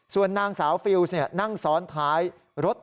ส่วนนางสาวฟิลส์นั่งซ้อนท้ายรถ